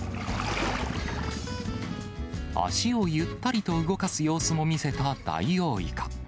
足をゆったりと動かす様子も見せたダイオウイカ。